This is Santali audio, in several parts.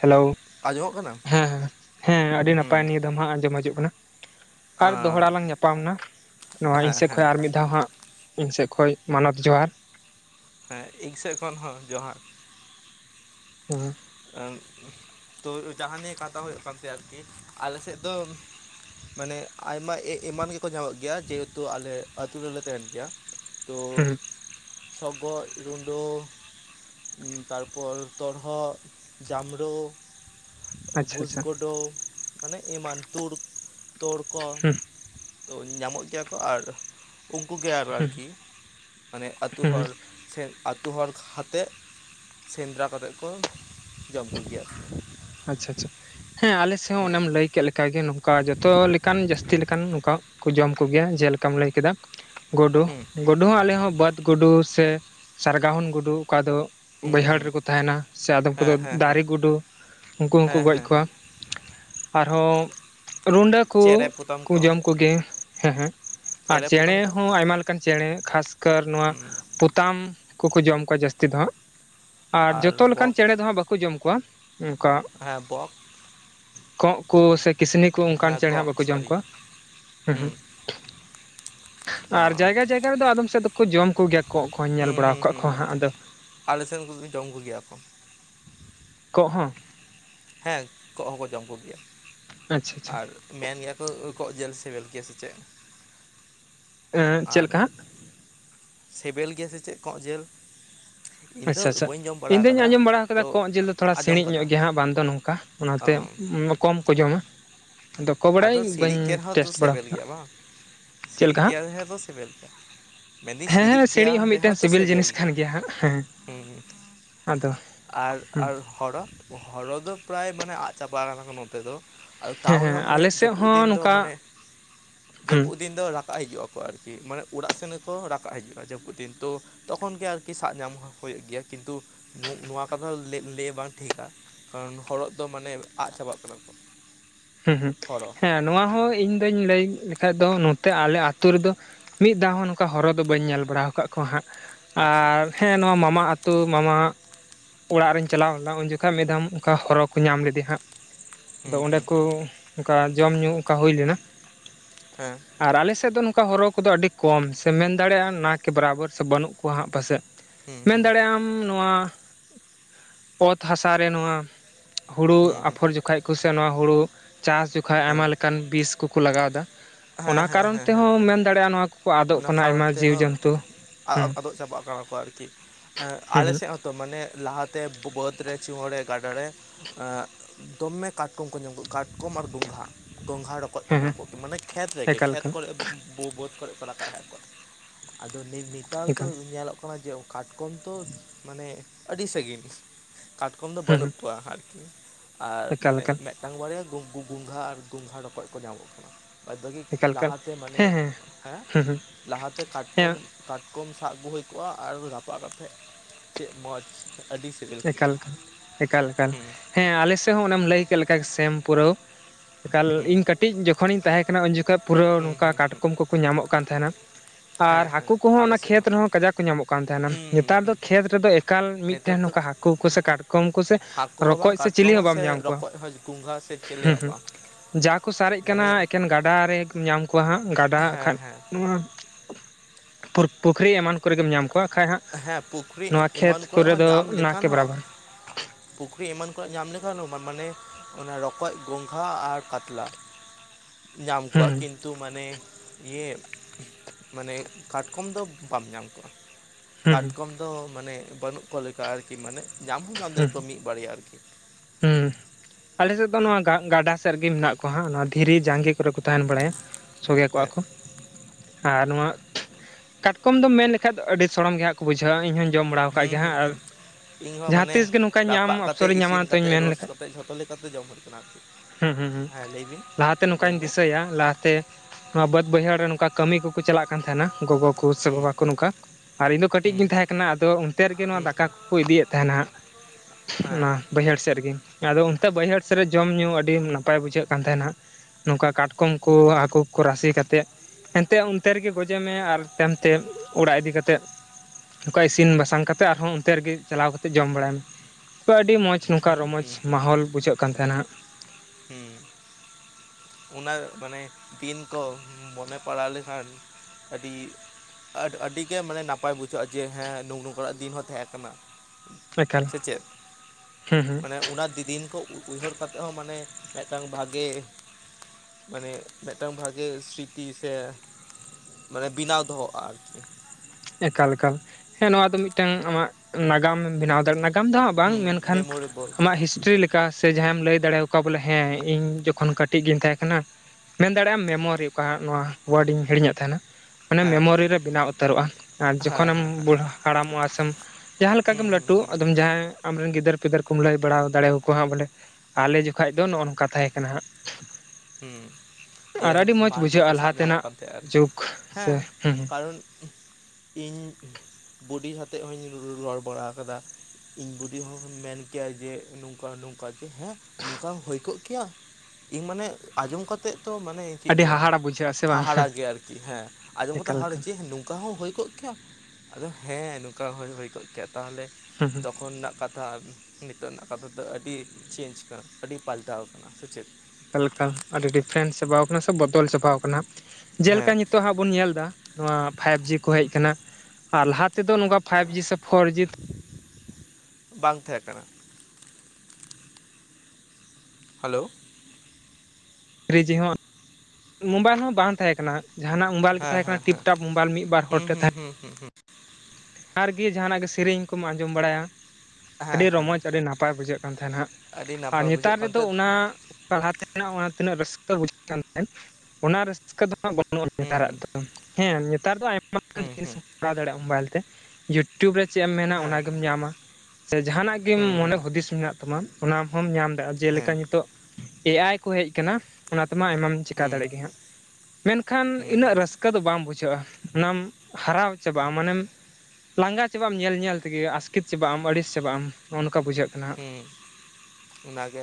ᱦᱮᱞᱳ ᱟᱸᱡᱚᱢᱚᱜ ᱠᱟᱱᱟ? ᱦᱮᱸ ᱦᱮᱸ ᱟᱹᱰᱤ ᱦᱩᱸ ᱱᱟᱯᱟᱭ ᱱᱤᱭᱟᱹ ᱫᱚᱢ ᱦᱟᱸᱜ ᱟᱸᱡᱚᱢ ᱦᱤᱡᱩᱜ ᱠᱟᱱᱟ ᱟᱨ ᱟᱸ ᱫᱚᱦᱲᱟ ᱞᱟᱝ ᱧᱟᱯᱟᱢ ᱮᱱᱟ ᱱᱚᱣᱟ ᱦᱮᱸ ᱤᱧ ᱥᱮᱫ ᱦᱮᱸ ᱠᱷᱚᱱ ᱟᱨ ᱢᱤᱫ ᱟᱨ ᱢᱤᱫ ᱫᱷᱟᱣ ᱦᱟᱸᱜ ᱤᱧ ᱥᱮᱫ ᱠᱷᱚᱱ ᱢᱟᱱᱚᱛ ᱡᱚᱦᱟᱨ ᱦᱮᱸ ᱤᱧ ᱥᱮᱫ ᱠᱷᱚᱱ ᱦᱚᱸ ᱡᱚᱦᱟᱨ ᱦᱩᱸ ᱛᱳ ᱡᱟᱦᱟ ᱱᱤᱭᱟᱹ ᱠᱟᱛᱷᱟ ᱦᱩᱭᱩᱜ ᱠᱟᱱ ᱛᱟᱦᱮᱫᱟ ᱟᱨᱠᱤ ᱟᱞᱮ ᱥᱮᱫ ᱫᱚ ᱢᱟᱱᱮ ᱟᱭᱢᱟ ᱮᱢᱟᱱ ᱜᱮᱠᱚ ᱧᱟᱢᱚᱜ ᱜᱮᱭᱟ ᱡᱮᱦᱮᱛᱩ ᱟᱹᱛᱩ ᱨᱮᱞᱮ ᱛᱟᱦᱮᱱ ᱜᱮᱭᱟ ᱛᱚ ᱥᱚᱜᱚᱜ ᱨᱩᱰᱟᱹ ᱛᱟᱨᱯᱚᱨ ᱛᱚᱨᱦᱚᱫ ᱡᱟᱢᱲᱳ ᱟᱪᱪᱷᱟ ᱵᱷᱩᱥ ᱟᱪᱪᱷᱟ ᱜᱳᱰᱳ ᱢᱟᱱᱮ ᱮᱢᱟᱱ ᱛᱳᱲ ᱛᱳᱲ ᱠᱚ ᱦᱩᱸ ᱛᱚ ᱧᱟᱢᱚᱜ ᱜᱮᱭᱟ ᱠᱚ ᱟᱨ ᱩᱱᱠᱩᱜ ᱜᱮ ᱟᱨᱚ ᱦᱩᱸ ᱟᱨᱠᱤ ᱢᱟᱱᱮ ᱟᱹᱛᱩ ᱦᱩᱸ ᱦᱚᱲ ᱥᱮ ᱟᱛᱳ ᱦᱚᱲ ᱠᱷᱟᱛᱮᱜ ᱥᱮᱸᱫᱽᱨᱟ ᱠᱟ ᱠᱟᱛᱮᱫ ᱠᱚ ᱡᱚᱢ ᱠᱚ ᱜᱮᱭᱟ ᱟᱨᱠᱤ, ᱟᱪᱪᱷᱟ ᱟᱪᱪᱷᱟ ᱦᱮᱸ ᱟᱞᱮᱥᱮᱫ ᱦᱚᱸ ᱚᱱᱮᱢ ᱞᱟᱹᱭ ᱠᱮᱫ ᱞᱮᱠᱟ ᱜᱮ ᱱᱚᱝᱠᱟ ᱡᱚᱛᱚ ᱞᱮᱠᱟᱱ ᱡᱟᱹᱥᱛᱤ ᱞᱮᱠᱟ ᱟᱨ ᱱᱚᱝᱠᱟ ᱠᱚ ᱡᱚᱢ ᱠᱚᱜᱮᱭᱟ ᱡᱮᱞᱮᱠᱟᱢ ᱞᱟᱹᱭ ᱠᱮᱫᱟ ᱜᱩᱰᱩ ᱦᱩᱸ ᱜᱩᱰᱩ ᱦᱚᱸ ᱟᱞᱮ ᱦᱚᱸ ᱵᱟᱹᱫᱽ ᱜᱩᱰᱩ ᱥᱮ ᱥᱟᱨᱜᱟᱦᱚᱱ ᱜᱩᱰᱩ ᱚᱠᱟ ᱫᱚ ᱦᱩᱸ ᱵᱟᱹᱭᱦᱟᱹᱲ ᱦᱩᱸ ᱨᱮᱠᱚ ᱛᱟᱦᱮᱱᱟ ᱥᱮ ᱟᱫᱚᱢ ᱠᱚᱫᱚ ᱦᱮᱸ ᱦᱮᱸ ᱦᱮᱸ ᱫᱟᱨᱮ ᱜᱩᱰᱩ ᱩᱱᱠᱩ ᱦᱚᱸᱠᱚ ᱦᱮᱸ ᱜᱚᱡ ᱦᱮᱸ ᱠᱚᱣᱟ ᱦᱮᱸ ᱟᱨᱦᱚᱸ ᱨᱩᱸᱰᱟᱹ ᱠᱩ ᱪᱮᱬᱮ ᱯᱚᱛᱟᱢ ᱠᱚ ᱡᱚᱢ ᱠᱚᱜᱮ ᱦᱮᱸ ᱦᱮᱸ ᱟᱨ ᱪᱮᱬᱮ ᱯᱚᱛᱟᱢ ᱠᱚ ᱦᱚᱸ ᱟᱭᱢᱟ ᱞᱮᱠᱟ ᱚᱱᱠᱟᱱ ᱪᱮᱬᱮ ᱠᱷᱟᱥᱠᱟᱨ ᱱᱚᱣᱟ ᱦᱩᱸ ᱯᱚᱛᱟᱢ ᱠᱚᱠᱚ ᱡᱚᱢ ᱠᱚᱣᱟ ᱡᱟᱹᱥᱛᱤ ᱫᱚ ᱦᱟᱸᱜ ᱟᱨ ᱡᱚᱛᱚ ᱞᱮᱠᱟᱱ ᱪᱮᱸᱬᱮ ᱫᱚ ᱦᱟᱜ ᱵᱟᱠᱚ ᱡᱚᱢ ᱠᱚᱣᱟ ᱚᱱᱠᱟ ᱦᱮᱸ ᱵᱚᱠ ᱠᱚᱸᱜ ᱠᱚ ᱥᱮ ᱠᱤᱥᱱᱤ ᱠᱚ ᱚᱱᱠᱟᱱ ᱦᱮᱸ ᱪᱮᱬᱮ ᱠᱚᱸᱜ ᱵᱟᱠᱚ ᱡᱚᱢ ᱥᱚᱨᱤ ᱠᱚᱣᱟ, ᱦᱚᱸ ᱦᱩᱸ ᱦᱚᱸ ᱟᱨ ᱚᱸ ᱡᱟᱜᱟ ᱡᱟᱜᱟ ᱨᱮᱫᱚ ᱟᱫᱚᱢ ᱥᱮᱫ ᱫᱚᱠᱚ ᱡᱚᱢ ᱠᱚᱜᱮᱭᱟ ᱠᱚᱸᱜ ᱠᱚᱦᱚᱸᱧ ᱧᱮᱞ ᱵᱟᱲᱟ ᱟᱠᱟᱫ ᱠᱚᱣᱟ ᱦᱟᱸᱜ ᱟᱫᱚ ᱟᱞᱮᱥᱱ ᱠᱚ ᱩᱱᱠᱩ ᱫᱚᱠᱚ ᱡᱚᱢ ᱠᱚᱜᱮ ᱭᱟᱠᱚ᱾ ᱠᱚᱜ ᱦᱚᱸ? ᱦᱮᱸ ᱠᱚᱸᱜ ᱦᱚᱠᱚ ᱡᱚᱢ ᱠᱚᱜᱮᱭᱟ ᱟᱪᱪᱷᱟ ᱟᱪᱪᱷᱟ ᱟᱨ ᱢᱮᱱ ᱜᱮᱭᱟ ᱠᱚ ᱠᱚᱜ ᱡᱮᱞ ᱥᱮᱵᱮᱞ ᱜᱮᱭᱟ ᱥᱮ ᱪᱮᱫ? ᱪᱮᱫ ᱟᱨ ᱞᱮᱠᱟ ᱦᱟᱸᱜ ᱥᱤᱵᱮᱞ ᱜᱮᱭᱟ ᱥᱮ ᱪᱮᱫ ᱠᱚᱜ ᱡᱤᱞ? ᱤᱧ ᱫᱚ ᱟᱪᱷᱟ ᱪᱷᱟ ᱪᱷᱟ ᱵᱟᱹᱧ ᱡᱚᱢ ᱵᱟᱲᱟ ᱤᱧ ᱫᱩᱧ ᱟᱠᱟᱫᱟ ᱟᱸᱡᱚᱢ ᱵᱟᱲᱟ ᱟᱠᱟᱫᱟ ᱛᱚ ᱠᱚᱸᱜ ᱡᱤᱞ ᱫᱚ ᱛᱷᱚᱲᱟ ᱟᱸᱡᱚᱢ ᱥᱤᱬᱤᱡ ᱧᱚᱜ ᱠᱟᱫᱟ ᱜᱮᱭᱟ ᱦᱟᱸᱜ ᱵᱟᱝᱫᱚ ᱱᱚᱝᱠᱟ, ᱚᱱᱟᱛᱮ ᱚᱸ ᱳᱢ ᱠᱚᱢ ᱠᱚ ᱡᱚᱢᱟ᱾ ᱚᱠᱚᱭ ᱵᱟᱲᱟᱭ ᱟᱫᱚ ᱥᱤᱲᱤᱡ ᱜᱮ ᱵᱟᱹᱧ ᱨᱮᱦᱚᱸ ᱫᱚ ᱴᱮᱥᱴ ᱵᱟᱲᱟ ᱥᱤᱵᱤᱞ ᱟᱠᱟᱫᱟ ᱜᱮᱭᱟ ᱵᱟᱝ? ᱪᱮᱫ ᱥᱤᱲᱤᱡ ᱞᱮᱠᱟ ᱦᱟᱸᱜ ᱜᱮᱭᱟ ᱦᱮ ᱫᱚ ᱥᱤᱵᱤᱞ ᱜᱮᱭᱟ᱾ ᱢᱮᱱᱫᱟᱹᱧ ᱦᱮᱸ ᱦᱮᱸ ᱜᱮᱭᱟ ᱥᱤᱲᱤᱡ ᱦᱚᱸ ᱨᱮᱦᱚᱸ ᱢᱤᱜᱴᱟᱹᱝ ᱛᱚ ᱥᱤᱵᱤᱞ ᱡᱤᱱᱤᱥ ᱠᱟᱱ ᱜᱮᱭᱟ ᱦᱟᱸᱜ ᱦᱮᱸ ᱦᱮᱸ᱾ ᱦᱩᱸ ᱟᱫᱚ ᱦᱚᱸ ᱦᱚᱲᱚ ᱦᱚᱲᱚᱨᱚ ᱫᱚ ᱯᱨᱟᱭ ᱢᱟᱱᱮ ᱟᱫ ᱪᱟᱵᱟ ᱟᱠᱟᱱᱟ ᱠᱚ ᱱᱚᱛᱮ ᱫᱚ ᱛᱟᱣ ᱦᱮᱸ ᱨᱮᱦᱚᱸ ᱢᱟᱱᱮ ᱟᱞᱮ ᱥᱮᱫ ᱪᱟᱹᱯᱩᱫ ᱦᱚᱸ ᱫᱤᱱ ᱫᱚ ᱱᱚᱝᱠᱟ ᱢᱟᱱᱮ ᱦᱩᱸ ᱡᱟᱹᱯᱩᱫ ᱫᱤᱱ ᱫᱚ ᱨᱟᱠᱟᱵ ᱦᱤᱡᱩᱜ ᱟᱠᱚ ᱟᱨᱠᱤ ᱠᱤ ᱢᱟᱱᱮ ᱚᱲᱟᱜ ᱥᱮᱱ ᱜᱮᱠᱚ ᱨᱟᱠᱟᱵ ᱦᱤᱡᱩᱜᱼᱟ ᱡᱟᱹᱯᱩᱫ ᱫᱤᱱ ᱛᱚ ᱛᱚᱠᱷᱚᱱ ᱜᱮ ᱟᱨᱠᱤ ᱥᱟᱵ ᱧᱟᱢ ᱦᱩᱭᱩᱜ ᱜᱮᱭᱟ ᱠᱤᱱᱛᱩ ᱱᱚᱣᱟ ᱠᱟᱛᱷᱟ ᱞᱟᱜ ᱞᱟᱹᱭ ᱵᱟᱝ ᱴᱷᱤᱠᱟ᱾ ᱠᱟᱨᱚᱱ ᱦᱚᱨᱚᱜ ᱫᱚ ᱢᱟᱱᱮ ᱟᱜ ᱪᱟᱵᱟᱜ ᱠᱟᱱᱟ ᱠᱚ᱾ ᱦᱩᱸ ᱦᱩᱸ ᱦᱚᱲᱚ ᱦᱮᱸ ᱱᱚᱣᱟ ᱦᱚᱸ ᱤᱧ ᱫᱩᱧ ᱞᱟᱹᱭ ᱞᱮᱠᱷᱟᱡ ᱫᱚ ᱱᱚᱛᱮ ᱟᱞᱮ ᱟᱹᱛᱩ ᱨᱮᱫᱚ ᱢᱤᱫ ᱫᱷᱟᱣ ᱦᱚᱸ ᱱᱚᱝᱠᱟ ᱦᱚᱨᱚ ᱫᱚ ᱵᱟᱹᱧ ᱧᱮᱞ ᱵᱟᱲᱟ ᱟᱠᱟᱫ ᱠᱚᱣᱟ ᱦᱟᱸᱜ, ᱟᱪᱪᱷᱟ ᱟᱨ ᱦᱮᱸ ᱱᱚᱣᱟ ᱢᱟᱢᱟ ᱟᱹᱛᱩ ᱢᱟᱢᱟ ᱚᱲᱟᱜ ᱨᱤᱧ ᱪᱟᱞᱟᱣ ᱞᱮᱱᱟ ᱩᱱ ᱡᱚᱠᱷᱚᱡ ᱢᱤᱫ ᱫᱷᱟᱢ ᱚᱝᱠᱟ ᱦᱚᱨᱚ ᱠᱚ ᱧᱟᱢ ᱞᱮᱫᱮᱭ ᱦᱟᱸᱜ᱾ ᱟᱫᱚ ᱦᱩᱸ ᱚᱱᱰᱮ ᱦᱩᱸ ᱠᱚ ᱚᱝᱠᱟ ᱡᱚᱢ ᱧᱩ ᱚᱝᱠᱟ ᱦᱩᱭ ᱞᱮᱱᱟ᱾ ᱦᱮᱸᱻ ᱟᱨ ᱟᱞᱮᱥᱮᱫ ᱫᱚ ᱱᱚᱝᱠᱟ ᱦᱚᱨᱚ ᱠᱚᱫᱚ ᱟᱹᱰᱤ ᱠᱚᱢ ᱥᱮ ᱢᱮᱱ ᱫᱟᱲᱮᱭᱟᱜᱼᱟᱢ ᱱᱟ ᱠᱮ ᱵᱟᱨᱟᱵᱚᱨ ᱥᱮ ᱵᱟᱹᱱᱩᱜ ᱠᱚᱣᱟ ᱦᱟᱸᱜ ᱯᱟᱥᱮᱜᱽ᱾ ᱦᱩᱸ ᱢᱮᱱ ᱦᱩᱸ ᱫᱟᱲᱮᱭᱟᱜ ᱟᱢ ᱱᱚᱣᱟ ᱚᱛ ᱦᱟᱥᱟᱮ ᱱᱚᱣᱟ ᱦᱩᱲᱩ ᱦᱩᱸ ᱦᱩᱸ ᱟᱯᱷᱚᱨᱡᱚᱠᱷᱟᱠᱩ ᱥᱮ ᱱᱚᱶᱟ ᱦᱩᱲᱩ ᱪᱟᱥᱡᱚᱠᱷᱟ ᱟᱭᱢᱟ ᱦᱮᱸ ᱞᱮᱠᱟᱱ ᱵᱤᱥᱠᱚᱠᱚ ᱞᱟᱜᱟᱣᱮᱫᱟ᱾ ᱦᱮᱸ ᱚᱱᱟ ᱦᱮᱸ ᱠᱟᱨᱚᱱ ᱦᱮᱸ ᱦᱮᱸ ᱛᱮᱦᱚᱸ ᱢᱮᱱ ᱫᱟᱲᱮᱭᱟᱜᱼᱟ ᱱᱚᱣᱟ ᱠᱚᱠᱚ ᱟᱫᱚᱜ ᱠᱟᱱᱟ ᱟᱭᱢᱟ ᱡᱤᱣᱼᱡᱚᱱᱛᱩ᱾ ᱟ ᱟᱫᱚᱜ ᱪᱟᱵᱟᱜ ᱠᱟᱱᱟ ᱠᱚ ᱟᱸᱲᱤ ᱛᱮᱜ ᱦᱮᱸ ᱟᱞᱮ ᱦᱩᱸ ᱥᱮᱫ ᱦᱚᱸ ᱛᱚ ᱢᱟᱱᱮ ᱞᱟᱦᱟᱛᱮ ᱵᱟᱹᱫᱽ ᱨᱮ ᱪᱩᱦᱟᱹ ᱨᱮ ᱜᱟᱰᱟᱨ ᱨᱮ, ᱮᱸᱜ ᱫᱚᱢᱮ ᱠᱟᱴᱠᱚᱢ ᱠᱚ ᱧᱟᱢ ᱠᱚᱜᱼᱟ ᱠᱟᱴᱠᱚᱢ ᱟᱨ ᱜᱚᱝᱜᱷᱟ ᱜᱚᱝᱜᱷᱟ ᱲᱚ ᱠᱚᱡ ᱠᱚ ᱦᱮᱸ ᱦᱮᱸ ᱧᱟᱢ ᱠᱚᱜ ᱠᱮ ᱢᱟᱱᱮ ᱠᱷᱮᱛ ᱨᱮᱜᱮ ᱮᱠᱟᱞ ᱠᱷᱮᱛ ᱮᱠᱟᱞ ᱠᱚᱨᱮᱜ ᱵᱩᱨᱩ ᱵᱟᱹᱫᱽ ᱠᱚᱨᱮ ᱠᱚ ᱨᱟᱠᱟᱜ ᱦᱮᱡ ᱠᱚᱜ-ᱟ᱾ ᱟᱫᱚ ᱱᱤ ᱱᱮᱛᱟᱨ ᱫᱚ ᱮᱠᱟᱞ ᱧᱮᱞᱚᱜ ᱠᱟᱱᱟ ᱡᱮ ᱚᱠᱟ ᱠᱚᱢ ᱛᱚ ᱢᱟᱱᱮ ᱟᱹᱰᱤ ᱥᱟᱺᱟᱹᱜᱤᱧ ᱠᱟᱴᱠᱚᱢ ᱫᱚ ᱦᱩᱸ ᱦᱩᱸ ᱵᱟᱹᱱᱩᱜ ᱠᱚᱣᱟ ᱟᱨᱠᱤ᱾ ᱟᱨ ᱮᱠᱟᱞ ᱢᱟᱱᱮ ᱮᱠᱟᱞ ᱢᱤᱫᱴᱟᱝ ᱵᱟᱨᱭᱟ ᱜᱩ ᱜᱚᱝ ᱜᱚᱝᱜᱷᱟ ᱟᱨ ᱜᱚᱝᱜᱷᱟ ᱨᱚᱠᱚᱡ ᱠᱚ ᱧᱟᱢᱚᱜ ᱠᱟᱱᱟ᱾ ᱟᱫᱚᱠᱤ ᱮᱠᱟᱞ ᱮᱠᱟᱞ ᱞᱟᱦᱟᱛᱮ ᱢᱟᱱᱮ ᱦᱮᱸ ᱦᱮᱸ ᱦᱩᱸ ᱦᱩᱸ ᱞᱟᱦᱟᱛᱮ ᱦᱮᱸ ᱠᱟᱴᱠᱚᱢ ᱠᱟᱴᱠᱚᱢ ᱥᱟᱵ ᱟᱹᱜᱩ ᱦᱩᱭ ᱠᱚᱜᱼᱟ ᱟᱨ ᱨᱟᱯᱟᱜ ᱠᱟᱛᱮᱫ ᱪᱮᱜᱽ ᱢᱚᱡᱽ᱾ ᱟᱹᱰᱤ ᱥᱤᱵᱤᱞ ᱠᱚᱜᱼᱟ ᱮᱠᱟᱞᱠᱟᱱ ᱮᱠᱟᱞ ᱮᱠᱟᱱ᱾ ᱦᱩᱸ ᱦᱮᱸ ᱟᱞᱮᱥᱮᱫ ᱦᱚᱸ ᱚᱱᱮᱢ ᱞᱟᱹᱭ ᱠᱮᱫ ᱞᱮᱠᱟ ᱥᱮᱢ ᱯᱩᱨᱟᱹᱣ ᱮᱠᱟᱞ ᱦᱩᱸ ᱤᱧ ᱠᱟᱹᱴ ᱠᱟᱹᱴᱤᱡ ᱡᱚᱠᱷᱚᱱᱤᱧ ᱛᱟᱦᱮᱸ ᱠᱟᱱᱟ ᱩᱱ ᱡᱚᱠᱷᱚᱱ ᱯᱩᱨᱟᱹ ᱦᱩᱸ ᱱᱚᱝᱠᱟ ᱦᱩᱸ ᱦᱩᱸ ᱠᱟᱴᱠᱚᱢ ᱠᱚᱠᱚ ᱧᱟᱢᱚᱜ ᱠᱟᱱ ᱛᱟᱦᱮᱱᱟ᱾ ᱟᱨ ᱦᱮᱸ ᱦᱮᱸ ᱦᱟᱹᱠᱩ ᱠᱚᱦᱚᱸ ᱟᱞᱮ ᱚᱱᱟ ᱥᱮᱫ ᱠᱷᱮᱛ ᱦᱚᱸ ᱨᱮᱦᱚᱸ ᱠᱟᱡᱟᱠ ᱠᱚ ᱧᱟᱢᱚᱜ ᱠᱟᱱ ᱛᱟᱦᱮᱱᱟ ᱦᱩᱸ ᱦᱩᱸ ᱱᱮᱛᱟᱨ ᱫᱚ ᱦᱩᱸ ᱠᱷᱮᱛ ᱨᱮᱫᱚ ᱮᱠᱟᱞ ᱢᱤᱫᱴᱮᱱ ᱱᱮᱛᱟᱨ ᱦᱚᱸ ᱫᱚ ᱦᱟᱹᱠᱩ ᱠᱚᱥᱮ ᱠᱟᱴᱠᱚᱢ ᱠᱚᱥᱮ ᱦᱟᱹᱠᱩ ᱦᱚᱸ ᱵᱟᱝ ᱨᱚᱠᱚᱡ ᱥᱮ ᱪᱤᱞᱤ ᱠᱟᱴᱠᱚᱢ ᱦᱚᱸ ᱵᱟᱢ ᱥᱮ ᱧᱟᱢ ᱠᱚᱣᱟ ᱨᱚᱠᱚᱡ ᱦᱚᱸ ᱜᱚᱸᱜᱷᱟ ᱥᱮ ᱪᱮᱞᱮ ᱦᱩᱸ ᱦᱚᱸ ᱦᱩᱸ᱾ ᱵᱟᱝ ᱡᱟ ᱠᱚ ᱥᱟᱨᱮᱡ ᱢᱟᱱᱮ ᱠᱟᱱᱟ ᱮᱠᱮᱱ ᱜᱟᱰᱟᱨᱮ ᱧᱟᱢ ᱠᱚᱣᱟ ᱦᱟᱸᱜ ᱜᱟᱰᱟ ᱦᱮᱸ ᱠᱷᱟᱱ ᱦᱮᱸ ᱱᱚᱣᱟ [inaudible] ᱯᱩᱨ ᱯᱩᱠᱷᱨᱤ ᱮᱢᱟᱱ ᱠᱚᱨᱮ ᱜᱮᱢ ᱧᱟᱢ ᱠᱚᱣᱟ ᱠᱷᱟᱡ ᱦᱟᱸᱜ᱾ ᱦᱮᱸ ᱯᱩᱠᱷᱨᱤ ᱱᱚᱣᱟ ᱮᱢᱟᱱ ᱠᱷᱮᱛ ᱠᱚᱨᱮ ᱦᱚᱸ ᱫᱚ ᱧᱟᱢ ᱱᱟ ᱞᱮᱠᱷᱟᱱ ᱠᱮ ᱦᱚᱸ ᱵᱟᱨᱟᱵᱟᱨ ᱯᱩᱠᱷᱨᱤ ᱮᱢᱟᱱ ᱠᱚᱨᱮᱜ ᱧᱟᱢ ᱞᱮᱠᱷᱟᱱ ᱦᱚ ᱢᱟᱱᱮ ᱚᱱᱟ ᱨᱚᱠᱚᱡ ᱜᱚᱝᱜᱷᱟ ᱟᱨ ᱠᱟᱛᱞᱟ ᱧᱟᱢ ᱠᱚᱣᱟᱜ ᱦᱩᱸ ᱠᱤᱱ ᱛᱚ ᱢᱟᱱᱮ ᱤᱭᱮ ᱢᱟᱱᱮ ᱠᱟᱴᱠᱚᱢ ᱫᱚ ᱵᱟᱢ ᱧᱟᱢ ᱠᱚᱶᱼᱟ ᱦᱩᱸ ᱠᱟᱴᱠᱚᱢ ᱫᱚ ᱢᱟᱱᱮ ᱵᱟᱹᱱᱩᱜ ᱠᱚ ᱞᱮᱠᱟ ᱟᱨ ᱠᱤ ᱢᱟᱱᱮ ᱧᱟᱢ ᱦᱚᱸᱢ ᱧᱟᱢ ᱫᱟᱲᱮᱭᱟ ᱠᱚᱣᱟ ᱢᱤᱜ ᱵᱟᱲᱭᱟ ᱟᱨ ᱠᱤ ᱦᱩ ᱟᱞᱮᱥᱮᱫ ᱫᱚ ᱱᱚᱣᱟ ᱜᱟᱜ ᱜᱟᱰᱟ ᱥᱮᱫ ᱨᱮᱜᱮ ᱢᱮᱱᱟᱜ ᱠᱚᱣᱟ ᱦᱟᱸᱜ ᱱᱚᱣᱟ ᱫᱷᱤᱨᱤ ᱡᱟᱸᱜᱮ ᱠᱚᱨᱮ ᱠᱚ ᱛᱟᱦᱮᱱ ᱵᱟᱲᱟᱭᱟ, ᱥᱚᱜᱮ ᱠᱚᱶᱼᱟ ᱦᱮᱸ ᱠᱚ ᱟᱨ ᱱᱚᱣᱟ ᱠᱟᱴᱠᱚᱢ ᱫᱚ ᱢᱮᱱ ᱞᱮᱠᱷᱟ ᱫᱚ ᱟᱹᱰᱤ ᱥᱚᱲᱚᱢ ᱜᱮᱭᱟ ᱠᱚ ᱵᱩᱡᱷᱟᱹᱣᱟ ᱤᱧᱦᱚᱸᱧ ᱡᱚᱢ ᱵᱟᱲᱟᱣ ᱟᱠᱟᱫ ᱜᱮ ᱦᱟᱸᱜ ᱟᱨ ᱤᱧ ᱦᱚᱸ ᱡᱟᱦᱟᱸ ᱢᱟᱱᱮ ᱛᱤᱥ ᱜᱮ ᱱᱚᱝᱠᱟᱧ ᱨᱟᱯᱟᱜ ᱧᱟᱢ ᱠᱟᱛᱮᱜ ᱚᱯᱥᱚᱨᱤᱧ ᱤᱥᱤᱱ ᱧᱟᱢᱟ ᱛᱚᱧ ᱠᱟᱛᱮᱜ ᱢᱮᱱ ᱨᱳᱥ ᱞᱮᱠᱷᱟᱡ ᱠᱟᱛᱮᱜ ᱡᱷᱚᱛᱚ ᱞᱮᱠᱟᱛᱮ ᱡᱚᱢ ᱦᱩᱭᱩᱜ ᱠᱟᱱᱟ ᱦᱩᱸ ᱦᱩᱸ ᱦᱩᱸ ᱦᱮᱸ ᱞᱟᱹᱭ ᱵᱤᱱ ᱞᱟᱦᱟ ᱛᱮ ᱞᱟᱹᱭ ᱱᱚᱠᱟᱧ ᱢᱮ ᱫᱤᱥᱟᱹᱭᱟ ᱞᱟᱦᱟ ᱛᱮ ᱱᱚᱣᱟ ᱵᱟᱹᱫᱽ ᱵᱟᱹᱭᱦᱟᱹᱲ ᱨᱮ ᱱᱚᱠᱟ ᱠᱟᱹᱢᱤ ᱠᱚᱠᱚ ᱪᱟᱞᱟᱜ ᱠᱟᱱ ᱛᱟᱦᱮᱱᱟ ᱜᱚᱜᱚ ᱠᱚ ᱥᱮ ᱦᱩᱸ ᱵᱟᱵᱟ ᱠᱚ ᱱᱚᱠᱟ ᱟᱨ ᱤᱧ ᱫᱚ ᱠᱟᱹᱴᱤᱡ ᱦᱩᱸ ᱜᱤᱧ ᱛᱟᱦᱮᱸ ᱠᱟᱱᱟ ᱟᱫᱚ ᱚᱱᱛᱮ ᱨᱮᱜᱮ ᱱᱚᱣᱟ ᱦᱩᱸ ᱫᱟᱠᱟ ᱦᱩᱸ ᱠᱚᱠᱚ ᱤᱫᱤᱭᱮᱫ ᱛᱟᱦᱮ ᱱᱟᱜ ᱦᱮᱸ ᱚᱱᱟ ᱵᱟᱹᱭᱦᱟᱹᱲ ᱥᱮᱫ ᱨᱮᱜᱤ ᱟᱫᱚ ᱚᱱᱛᱮ ᱵᱟᱹᱭᱦᱟᱹᱲ ᱥᱮᱫ ᱨᱮ ᱡᱚᱢ ᱧᱩ ᱟᱹᱰᱤ ᱱᱟᱯᱟᱭ ᱵᱩᱡᱷᱟᱹᱜ ᱠᱟᱱ ᱛᱟᱦᱮ ᱱᱟ ᱱᱚᱠᱟ ᱠᱟᱴᱠᱚᱢ ᱠᱚ ᱦᱟᱹᱠᱩ ᱠᱚ ᱨᱟᱥᱮ ᱠᱟᱛᱮᱜ ᱮᱱᱛᱮᱜ ᱚᱱᱛᱮ ᱨᱮᱜᱮ ᱜᱚᱡᱮ ᱢᱮ ᱟᱨ ᱛᱮᱭᱚᱢ ᱛᱮ ᱚᱲᱟᱜ ᱤᱫᱤ ᱠᱟᱛᱮᱜ ᱱᱚᱠᱟ ᱤᱥᱤᱱ ᱵᱟᱥᱟᱝ ᱠᱟᱛᱮᱜ ᱟᱨᱦᱚᱸ ᱚᱱᱛᱮ ᱨᱮᱜᱤ ᱪᱟᱞᱟᱣ ᱠᱟᱛᱮ ᱡᱚᱢ ᱵᱟᱲᱟᱭ ᱢᱮ ᱛ ᱟᱹᱰᱤ ᱢᱚᱸᱪ ᱱᱚᱝ ᱠᱟ ᱨᱚᱢᱚᱡᱪ ᱢᱟᱦᱚᱞ ᱵᱩᱡᱷᱟᱹᱜ ᱠᱟᱱ ᱛᱟᱦᱮ ᱱᱟ ᱦᱟᱜ ᱦᱩ ᱩᱱᱟ ᱢᱟᱱᱮ ᱫᱤᱱ ᱠᱚ ᱢᱚᱱᱮ ᱯᱟᱲᱟᱣ ᱞᱮᱠᱷᱟᱱ ᱟᱹᱰᱤ ᱟᱹᱰ ᱟᱹᱰᱤᱜᱮ ᱢᱟᱱᱮ ᱱᱟᱯᱟᱭ ᱵᱩᱡᱷᱟᱹᱜᱼᱟ ᱡᱮ ᱦᱮᱸ ᱱᱚᱜ-ᱚ ᱱᱚᱝᱠᱟᱱᱟᱜ ᱫᱤᱱ ᱦᱚᱸ ᱛᱮᱦᱮᱸ ᱠᱟᱱᱟ ᱮᱠᱟᱞ ᱥᱮ ᱪᱮᱫ ᱦᱩᱸ ᱦᱩᱸ ᱢᱟᱱᱮ ᱚᱱᱟ ᱫᱤᱱ ᱠᱚ ᱩᱭᱦᱟᱹᱨ ᱠᱟᱛᱮᱜ ᱦᱚᱸ ᱢᱟᱱᱮ ᱢᱤᱫᱴᱟᱝ ᱵᱷᱟᱜᱮ ᱢᱟᱱᱮ ᱢᱤᱴᱟᱝ ᱵᱷᱟᱜᱮ ᱥᱨᱤᱛᱤ ᱥᱮ ᱢᱟᱱᱮ ᱵᱤᱱᱟᱣ ᱫᱚᱦᱚᱜᱼᱟ ᱟᱨᱠᱤ ᱮᱠᱟᱞ ᱮᱠᱟᱞ ᱦᱮᱸ ᱱᱚᱣᱟ ᱫᱚ ᱢᱤᱫᱴᱟᱝ ᱟᱢᱟᱜ ᱱᱟᱜᱟᱢ ᱮᱢ ᱵᱮᱱᱟᱣ ᱫᱟᱲᱮ ᱱᱟᱜ ᱠᱟᱢ ᱫᱚ ᱦᱟᱸᱜ ᱵᱟᱝ ᱢᱮᱱᱠᱷᱟᱱ ᱢᱮᱢᱳᱨᱮᱵᱚᱞ ᱟᱢᱟᱜ ᱦᱤᱥᱴᱨᱤ ᱞᱮᱠᱟ ᱠᱟᱥ ᱥᱮ ᱡᱟᱦᱟᱸᱭᱮᱢ ᱞᱟᱹᱭ ᱫᱟᱲᱮ ᱚᱠᱟ ᱵᱚᱞᱮ ᱦᱮᱸ, ᱤᱧ ᱡᱚᱠᱷᱚᱱ ᱠᱟᱹᱴᱤᱡ ᱜᱤᱧ ᱛᱟᱦᱮᱸ ᱠᱟᱱᱟ ᱢᱮᱱ ᱫᱟᱲᱮ ᱟᱢ ᱢᱮᱢᱚᱨᱤ ᱚᱠᱟ ᱦᱟᱸᱜ ᱱᱚᱣᱟ ᱳᱣᱟᱨᱰ ᱤᱧ ᱦᱤᱲᱤᱧ ᱮᱫ ᱛᱮᱦᱮᱱᱟ, ᱚᱱᱮ ᱦᱮᱸ ᱢᱮᱢᱳᱨᱤ ᱨᱮ ᱵᱮᱱᱟᱣ ᱩᱛᱟᱹᱨᱚᱜᱼᱟ ᱾ ᱟᱨ ᱦᱮᱸ ᱡᱚᱠᱷᱚᱱᱮᱢ ᱦᱮᱸ ᱵᱩᱨᱟ ᱦᱟᱲᱟᱢᱚᱜᱼᱟ ᱥᱮᱢ ᱡᱟᱦᱟᱸ ᱞᱮᱠᱟ ᱦᱮᱸ ᱜᱮᱢ ᱦᱮᱸ ᱞᱟᱹᱴᱩ ᱟᱫᱚᱢ ᱡᱟᱦᱟᱸ ᱮ ᱾ ᱟᱢ ᱨᱮᱱ ᱜᱤᱫᱟᱹᱨ ᱯᱤᱫᱟᱹᱨ ᱠᱚ ᱞᱟᱹᱭ ᱵᱟᱲᱟ ᱫᱟᱲᱮᱭᱟ ᱠᱚᱣᱟ ᱦᱟᱸᱜ ᱵᱚᱞᱮ ᱾ ᱟᱞᱮ ᱡᱚᱠᱷᱟᱡ ᱫᱚ ᱱᱚᱜᱼᱚ ᱱᱚᱝᱠᱟ ᱛᱟᱦᱮᱸ ᱠᱟᱱᱟ ᱦᱟᱸᱜ ᱾ ᱦᱩᱸ ᱡᱮ ᱢᱟᱴᱷ ᱜᱮᱠᱚ ᱞᱟᱦᱟ ᱥᱟᱵ ᱧᱟᱢᱚᱜ ᱛᱮᱱᱟᱜ ᱠᱟᱱ ᱛᱟᱦᱮᱸᱡ ᱟᱨᱠᱤ ᱡᱩᱜᱽ ᱥᱮ ᱦᱮᱸ ᱦᱩᱸ ᱠᱟᱨᱚᱱ ᱼᱼ ᱤᱧ ᱵᱚᱰᱤ ᱦᱟᱛᱮᱜ ᱦᱚᱧ ᱨᱚᱲ ᱵᱟᱲᱟ ᱠᱟᱫᱟ ᱾ ᱤᱧ ᱵᱩᱰᱤ ᱦᱚᱸ ᱢᱮᱱ ᱠᱮᱭᱟ ᱡᱮ, ᱱᱚᱝᱠᱟ ᱱᱚᱝᱠᱟ ᱠᱤ ᱦᱮᱸ ᱱᱚᱝᱠᱟ ᱦᱳᱭ ᱠᱚᱜ ᱠᱮᱭᱟ? ᱤᱱ ᱢᱟᱱᱮ ᱟᱸᱡᱚᱢ ᱠᱟᱛᱮᱜ ᱛᱚ ᱢᱟᱱᱮ ᱪᱮᱜ ᱟᱹᱰᱤ ᱞᱟᱹᱭᱟ, ᱦᱟᱦᱟᱲᱟ ᱵᱩᱡᱷᱟᱹᱜᱼᱟ ᱥᱮ ᱵᱟᱝ ᱦᱟᱦᱟᱲᱟ ᱜᱮ ᱟᱨᱠᱤ ᱦᱮᱸ ᱟᱸᱡᱚᱢ ᱠᱟᱛᱮ ᱮᱠᱟᱞ ᱦᱟᱲ ᱮᱠᱟᱞ ᱪᱮ ᱱᱩᱝ ᱠᱟ ᱦᱚᱸ ᱦᱚᱭ ᱠᱚᱜ ᱠᱮᱭᱟ? ᱦᱮᱸ ᱱᱚᱝᱠᱟ ᱦᱚᱸᱭ ᱦᱚᱭ ᱠᱚᱜ ᱠᱮᱭᱟ ᱛᱟᱦᱚᱞᱮ ᱦᱩᱸ ᱦᱩᱸ ᱛᱚᱠᱷᱚᱱ ᱱᱟᱜ ᱠᱟᱛᱷᱟ ᱱᱤᱛᱚᱜ ᱱᱟᱜ ᱠᱟᱛᱷᱟ ᱫᱚ ᱟᱹᱰᱤ ᱪᱮᱧᱡᱽ ᱠᱟᱱᱟ ᱟᱹᱰᱤ ᱯᱟᱞᱴᱟᱣ ᱠᱟᱱᱟ ᱥᱮᱪᱮᱫ? ᱮᱞᱠᱟ ᱟᱹᱰᱤ ᱰᱤᱯᱷᱟᱨᱮᱱᱴ ᱪᱟᱵᱟᱣ ᱠᱟᱱᱟ ᱥᱮ ᱵᱚᱫᱚᱞ ᱪᱟᱵᱟᱣ ᱠᱟᱱᱟ ᱡᱮᱞᱠᱟ ᱦᱮᱸ ᱱᱤᱛ ᱛᱚᱜ ᱦᱟᱸᱜ ᱵᱚᱱ ᱧᱮᱞ ᱮᱫᱟ, ᱱᱚᱣᱟ ᱯᱷᱟᱭᱤᱵ ᱡᱤ ᱠᱚ ᱦᱮᱡ ᱠᱟᱱᱟ ᱾ ᱟᱨ ᱞᱟᱦᱟ ᱛᱮᱫᱚ ᱱᱚᱝᱠᱟ ᱯᱷᱟᱭᱤᱵᱽ ᱡᱤ ᱥᱮ ᱯᱷᱳᱨ ᱡᱤ ᱵᱟᱝ ᱛᱟᱦᱮᱸᱠᱟᱱᱟ ᱾ ᱦᱮᱞᱳ, ᱛᱨᱤᱡᱤ ᱦᱚᱸ ᱾ ᱢᱳᱵᱟᱭᱤᱞ ᱦᱚᱸ ᱵᱟᱝ ᱛᱟᱦᱮᱸ ᱠᱟᱱᱟ ᱡᱟᱦᱟᱱᱟᱜ ᱢᱳᱵᱟᱭᱤᱞ ᱜᱮ ᱦᱮᱸ ᱛᱟᱦᱮᱸ ᱦᱮᱸ ᱠᱟᱱᱟ ᱦᱮᱸ ᱴᱤᱯᱴᱟᱯ ᱢᱳᱵᱟᱭᱤᱞ ᱢᱤᱫ ᱵᱟᱨ ᱦᱚᱲ ᱦᱩᱸ ᱴᱷᱮᱱ ᱛᱟᱦᱮᱸ ᱦᱩᱸ ᱦᱩᱸ ᱦᱩᱸᱜ ᱾ ᱟᱨᱠᱤ ᱡᱟᱦᱟᱱᱟᱜ ᱜᱮ ᱥᱮᱨᱮᱧ ᱠᱚᱢ ᱟᱸᱡᱚᱢ ᱵᱟᱲᱟᱭᱟ ᱾ ᱦᱮᱸ ᱟᱹᱰᱤ ᱦᱮᱸ ᱨᱚᱢᱚᱡᱽ ᱟᱹᱰᱤ ᱱᱟᱯᱟᱭ ᱵᱩᱡᱷᱟᱹᱜ ᱠᱟᱱ ᱛᱟᱦᱮᱸᱱᱟᱜ ᱟᱹᱰᱤ ᱟᱨ ᱱᱟᱯᱟᱭ ᱵᱩᱡᱷᱟᱹᱜ ᱱᱮᱛᱟᱨ ᱠᱟᱱ ᱨᱮᱫᱚ ᱛᱟᱦᱮᱸᱫ ᱚᱱᱟ ᱛᱟᱨᱦᱟᱛᱮ ᱚᱱᱟ ᱛᱤᱱᱟᱹᱜ ᱨᱟᱹᱥᱠᱟᱹ ᱵᱩᱡᱷᱟᱹᱜ ᱠᱟᱱ ᱛᱟᱦᱮᱸᱱ, ᱚᱱᱟ ᱨᱟᱹᱥᱠᱟ ᱨᱟᱹᱥᱠᱟᱹ ᱫᱚ ᱦᱟᱸᱜ ᱵᱟᱹᱱᱩᱜᱼᱟ ᱱᱮᱛᱟᱨᱟᱜ ᱫᱚ, ᱦᱮᱸ ᱱᱮᱛᱟᱨ ᱫᱚ ᱟᱭᱢᱟ ᱞᱮᱠᱟᱱ ᱡᱤᱱᱤᱥ ᱠᱚᱨᱟᱣ ᱫᱟᱲᱮᱭᱟᱜᱼᱟ᱾ ᱢᱳᱵᱟᱭᱤᱞ ᱛᱮ ᱤᱭᱩᱴᱩᱵᱽ ᱨᱮ ᱪᱮᱫ ᱮᱢ ᱢᱮᱱᱟ ᱚᱱᱟᱱᱟᱜᱮᱢ ᱧᱟᱢᱟ, ᱥᱮ ᱡᱟᱦᱟᱱᱟᱜ ᱜᱮ ᱢᱚᱱᱮ ᱦᱩᱫᱤᱥ ᱢᱮᱱᱟᱜ ᱛᱟ ᱢᱟ ᱚᱱᱟ ᱦᱚᱢ ᱧᱟᱢ ᱫᱟᱲᱮᱼᱟ᱾ ᱡᱮᱞᱮᱠᱟ ᱱᱤᱛᱚᱜ ᱮ ᱟᱭ ᱠᱚ ᱦᱮᱡ ᱟᱠᱟᱱᱟ ᱚᱱᱟ ᱛᱮᱢᱟ ᱟᱭᱢᱟᱢ ᱪᱮᱠᱟ ᱫᱟᱲᱮᱜ ᱜᱮ ᱦᱟᱸᱜ, ᱢᱮᱱᱠᱷᱟᱱ ᱤᱱᱟᱹᱜ ᱨᱟᱹᱥᱠᱟᱹ ᱫᱚ ᱵᱟᱝ ᱵᱩᱡᱷᱟᱹᱜᱼᱟ ᱚᱱᱟᱢ ᱦᱟᱨᱟᱣ ᱪᱟᱵ ᱵᱟᱢ ᱢᱟᱱᱮᱢ ᱞᱟᱸᱜᱟ ᱪᱟᱵᱟᱜ ᱟᱢ, ᱧᱮᱞ ᱧᱮᱞ ᱛᱮᱜᱮ ᱟᱥᱠᱮᱛ ᱪᱟᱵᱟᱜᱼᱟ, ᱟᱹᱲᱤᱥ ᱪᱟᱟᱜᱼᱟ, ᱚᱱᱠᱟ ᱵᱩᱡᱷᱟᱹᱜ ᱠᱟᱱᱟ ᱦᱮᱸ ᱚᱱᱟ ᱜᱮ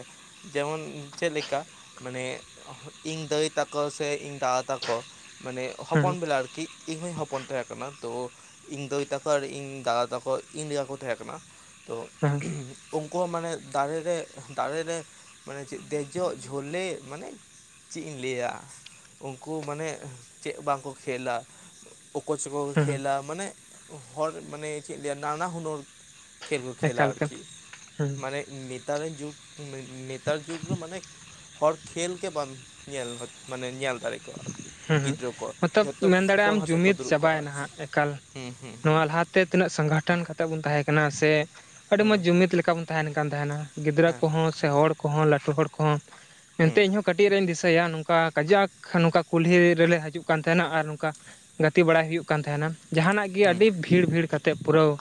ᱡᱮᱢᱚᱱ ᱪᱮᱫ ᱞᱮᱠᱟ ᱢᱟᱱᱮ ᱤᱧ ᱫᱟᱹᱭ ᱛᱟᱠᱚ ᱥᱮ ᱤᱧ ᱫᱟᱫᱟ ᱛᱟᱠᱚ ᱢᱟᱱᱮ ᱦᱚᱯᱚᱱ ᱦᱟᱸᱜ ᱵᱮᱲᱟ ᱟᱨᱠᱤ ᱾ ᱤᱧ ᱦᱚᱧ ᱦᱚᱯᱚᱱ ᱛᱟᱦᱮᱸᱟᱸ ᱠᱟᱱᱟ ᱛᱚ ᱾ ᱤᱧ ᱫᱟᱹᱭ ᱛᱟᱠᱚ ᱟᱨ ᱤᱧ ᱫᱟᱫᱟ ᱛᱟᱠᱚ ᱤᱧ ᱞᱮᱠᱟ ᱠᱚ ᱛᱟᱦᱮᱸ ᱠᱟᱱᱟ ᱛᱚ ᱦᱮᱸ ᱾ [unintelligible] ᱩᱱᱠᱩ ᱦᱚᱸ ᱢᱟᱱᱮ ᱫᱟᱨᱮ ᱨᱮ ᱫᱟᱨᱮ ᱨᱮ ᱢᱟᱱᱮ ᱫᱮᱡᱚᱜ ᱡᱷᱟᱹᱞᱮ ᱢᱟᱱᱮ ᱪᱮ ᱤᱧ ᱞᱟᱹᱭᱟ ᱩᱱᱠᱩ ᱢᱟᱱᱮ ᱪᱮᱫ ᱵᱟᱝᱠᱚ ᱠᱷᱮᱞᱟ ᱚᱠᱚ ᱪᱚᱠᱚ ᱠᱚ ᱦᱮᱸ ᱦᱮᱸ ᱠᱷᱮᱹᱞᱟ ᱢᱟᱱᱮ ᱦᱚᱲ ᱢᱟᱱᱮ ᱪᱮᱫ ᱤᱧ ᱞᱮᱭᱟ ᱱᱟᱱᱟ ᱦᱩᱱᱟᱹᱨ ᱠᱷᱮᱞ ᱠᱚ ᱠᱷᱮᱞᱟ ᱮᱠᱟᱞ ᱮᱠᱟᱞ ᱟᱨᱠᱤ ᱾ ᱦᱮᱸ ᱢᱟᱱᱮ ᱱᱮᱛᱟᱨ ᱨᱮᱱ ᱡᱩᱜᱽ ᱱᱮᱛᱟᱨ ᱡᱩᱜᱽ ᱨᱮ ᱢᱟᱱᱮ ᱦᱚᱲ ᱠᱷᱮᱞ ᱜᱮ ᱵᱟᱢ ᱧᱮᱞ ᱢᱟᱱᱮ ᱧᱮᱞ ᱫᱟᱲᱮ ᱾ ᱟᱨ ᱦᱮᱸ ᱦᱮᱸ ᱜᱤᱫᱽᱨᱟᱹ ᱠᱚ ᱢᱚᱛᱞᱚᱵ ᱡᱚᱛᱚ ᱢᱮᱱ ᱫᱟᱲᱮᱭᱟᱜ ᱯᱷᱳᱱ ᱟᱢ ᱟᱛᱮᱫ ᱠᱚ ᱡᱩᱢᱤᱫ ᱫᱩᱲᱩᱵ ᱠᱚᱜᱼᱟ ᱪᱟᱵᱟᱭᱮᱱᱟ ᱟᱨᱠᱤ ᱾ ᱦᱮᱸ, ᱦᱮᱸ, ᱦᱮᱸ ᱾ ᱛᱮ ᱛᱤᱱᱟᱹᱜ ᱥᱚᱝᱜᱚᱴᱷᱚᱱ ᱠᱟᱛᱮ ᱵᱩᱱ ᱛᱟᱦᱮᱸ ᱠᱟᱱᱟ, ᱥᱮ ᱟᱹᱰᱤ ᱦᱩᱸ ᱢᱚᱸᱡᱽ ᱡᱩᱢᱤᱫ ᱞᱮᱠᱟ ᱵᱩᱱ ᱛᱟᱦᱮᱱ ᱠᱟᱱ ᱛᱟᱦᱮᱱᱟ ᱾ ᱜᱤᱫᱽᱨᱟᱹ ᱦᱮᱸ ᱠᱚᱦᱚᱸ, ᱥᱮ ᱦᱚᱲ ᱠᱚᱦᱚᱸ, ᱞᱟᱹᱴᱩ ᱦᱚᱲ ᱠᱚᱦᱚᱸ, ᱮᱱᱛᱮ ᱦᱩᱸ ᱤᱧᱦᱚᱸ ᱾ ᱠᱟᱹᱴᱤᱡ ᱨᱮᱧ ᱫᱤᱥᱟᱹᱭᱟ ᱱᱚᱝᱠᱟ ᱠᱟᱡᱟᱠ ᱱᱚᱝᱠᱟ ᱠᱩᱞᱦᱤ ᱨᱮᱞᱮ ᱦᱤᱡᱩᱜ ᱠᱟᱱ ᱛᱟᱦᱮᱱᱟ ᱟᱨ ᱱᱚᱝᱠᱟ ᱜᱟᱛᱮ ᱵᱟᱲᱟᱭ ᱦᱩᱭᱩᱜ ᱠᱟᱱ ᱛᱟᱦᱮᱱᱟ ᱡᱟᱦᱟᱱᱟᱜ ᱜᱮ᱾ ᱜᱮ ᱦᱩᱸ ᱟᱹᱰᱤ ᱵᱷᱤᱲ ᱵᱷᱤᱲ ᱠᱟᱛᱮᱫ ᱯᱩᱨᱟᱹᱣ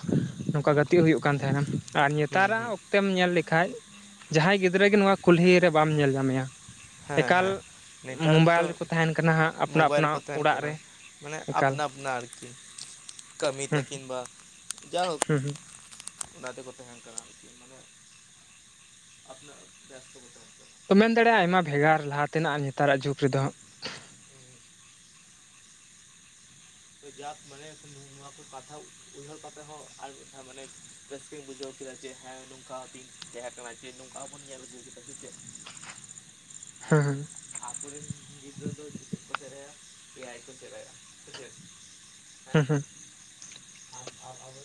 ᱱᱚᱝᱠᱟ ᱜᱟᱛᱮ ᱦᱩᱭᱩᱜ ᱠᱟᱱ ᱛᱟᱦᱮᱱᱟ ᱟᱨ ᱦᱩᱸ ᱦᱩᱸ ᱱᱮᱛᱟᱨᱟᱜ ᱚᱠᱚ ᱛᱮᱢ ᱧᱮᱞ ᱞᱮᱠᱷᱟᱡ ᱡᱟᱦᱟᱸᱭ ᱜᱤᱫᱽᱨᱟᱹ ᱜᱮ ᱱᱚᱣᱟ ᱠᱩᱞᱦᱤ ᱨᱮ ᱵᱟᱢ ᱧᱮᱞ ᱧᱟᱢᱮᱭᱟ ᱾ ᱦᱮᱸ, ᱦᱮᱸ, ᱱᱮᱛᱟᱨ ᱫᱚ ᱠᱟᱱᱟ ᱦᱟᱸᱜ ᱟᱯᱱᱟ ᱢᱳᱵᱟᱭᱤᱞ ᱟᱯᱱᱟ ᱠᱚ ᱛᱟᱦᱮᱱ ᱚᱲᱟᱜ ᱠᱟᱱᱟ, ᱨᱮ ᱢᱟᱱᱮ ᱮᱠᱟᱞ ᱟᱯᱱᱟ ᱟᱯᱱᱤ ᱟᱨᱠᱤ ᱾ ᱠᱟᱹᱢᱤᱛᱮ ᱦᱩᱸ ᱠᱤᱢᱵᱟ ᱡᱟᱭᱦᱳᱠ ᱦᱩᱸ ᱦᱩᱸ ᱚᱱᱟ ᱛᱮᱠᱚ ᱛᱟᱦᱮᱱ ᱠᱟᱱᱟ ᱾ [unintelligible] ᱠᱟᱱᱟ ᱛᱚ ᱢᱮᱱ ᱫᱟᱲᱮᱭᱟᱜᱼᱟ, ᱟᱭᱢᱟ ᱵᱷᱮᱜᱟᱨ ᱞᱟᱦᱟ ᱛᱮᱱᱟᱜ ᱱᱮᱛᱟᱨᱟᱜ ᱡᱩᱜᱽ ᱨᱮᱫᱚ ᱾ ᱡᱟᱠ ᱢᱟᱱᱮ ᱠᱚ ᱠᱟᱛᱷᱟ ᱵᱩᱡᱷᱟᱹᱣ ᱠᱟᱛᱮ ᱦᱚᱸ ᱟᱨ ᱢᱟᱱᱮ ᱨᱟᱹᱥᱠᱟᱹᱧ ᱵᱩᱡᱷᱟᱹᱣ ᱠᱮᱫᱟ ᱡᱮ, ᱦᱮᱸ ᱱᱚᱝᱠᱟᱛᱤᱧ ᱛᱟᱦᱮᱸ ᱠᱟᱱᱟ ᱡᱮ ᱱᱚᱝᱠᱟ ᱵᱚᱱ ᱧᱮᱞ ᱦᱚᱪ ᱠᱮᱫᱟ ᱥᱮ ᱪᱮ ᱦᱩᱸ ᱦᱩᱸ ᱟᱵᱚᱨᱮᱱ ᱜᱤᱫᱽᱨᱟᱹ ᱫᱚ ᱡᱚᱛᱮᱫ ᱠᱚ ᱥᱮᱞᱟᱭᱟ ᱮᱭᱟᱭ ᱠᱚ ᱥᱮᱞᱟᱭᱟ ᱦᱮᱸᱥᱮ ᱾ ᱦᱩᱸ ᱦᱩᱸ ᱾ ᱟᱨ ᱟᱵᱚ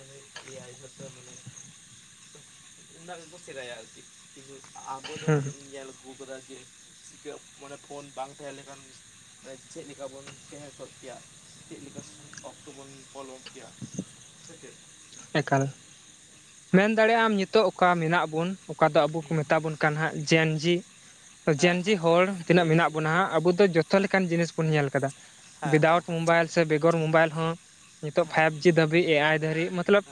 ᱢᱟᱱᱮ ᱮᱟᱭ ᱦᱤᱥᱟᱹᱵᱽ ᱛᱮ ᱢᱟᱱᱮ [unintelligible] ᱟᱨᱠᱤ ᱠᱤᱱᱛᱩ ᱟᱵᱚ ᱦᱮᱸ ᱡᱮᱢᱚᱱ ᱧᱮᱞ ᱟᱹᱜᱩ ᱟᱠᱟᱫᱟ ᱡᱮ ᱢᱟᱱᱮ ᱯᱷᱳᱱ ᱵᱟᱝ ᱛᱟᱦᱮᱸ ᱞᱮᱱᱠᱷᱟᱱ ᱪᱮᱫ ᱞᱮᱠᱟ ᱵᱚᱱ ᱛᱟᱦᱮᱸ ᱠᱚ ᱠᱮᱭᱟ ᱪᱮᱫ ᱞᱮᱠᱟ ᱚᱠᱛᱚ ᱵᱚᱱ ᱯᱷᱳᱱ ᱦᱚᱸ ᱠᱮᱭᱟ ᱾ ᱮᱠᱟᱞ, ᱢᱮᱱ ᱫᱟᱲᱮᱭᱟᱜ ᱟᱢ ᱱᱤᱛᱚᱜ ᱚᱠᱟ ᱢᱮᱱᱟᱜ ᱵᱚᱱ ᱚᱠᱟ ᱫᱚ ᱟᱵᱚ ᱠᱚ ᱢᱮᱛᱟ ᱵᱚᱱ ᱠᱟᱱᱟ ᱦᱟᱸᱜ ᱡᱮ ᱮᱱ ᱡᱤ? ᱡᱮᱱᱡᱤ ᱦᱚᱲ ᱛᱤᱱᱟᱹᱜ ᱢᱮᱱᱟᱜ ᱵᱚᱱᱟ᱾ ᱟᱵᱚ ᱫᱚ ᱡᱚᱛᱚ ᱞᱮᱠᱟᱱ ᱡᱤᱱᱤᱥ ᱵᱚᱱ ᱧᱮᱞ ᱟᱠᱟᱫᱟ ᱾ ᱩᱭᱫᱟᱩᱴ ᱢᱳᱵᱟᱭᱤᱞ ᱥᱮ ᱵᱮᱜᱚᱨ ᱢᱳᱵᱟᱭᱤᱞ ᱦᱚᱸ ᱱᱤᱛᱚᱜ ᱯᱷᱟᱭᱤᱵ ᱡᱤ ᱫᱷᱟᱹᱵᱤᱡ ᱮ ᱟᱭ ᱫᱷᱟᱹᱵᱤᱡ ᱢᱚᱛᱞᱚᱵ